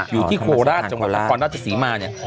อยู่ที่โคราชจังหวัดปราคอนราชสีมาเนี่ย